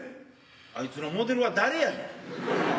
あいつのモデルは誰やねん？